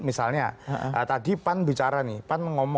misalnya tadi pan bicara nih pan